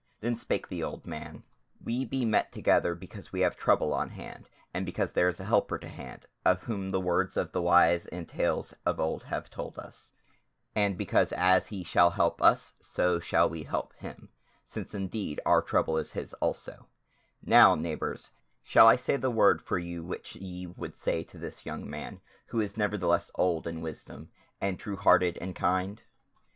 Then spake the old man: "We be met together because we have trouble on hand, and because there is a helper to hand, of whom the words of the wise and tales of old have told us; and because as he shall help us, so shall we help him, since indeed our trouble is his also: now, neighbours, shall I say the word for you which ye would say to this young man, who is nevertheless old in wisdom, and true hearted and kind?"